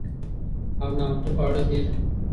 او نامتو خواړه دي،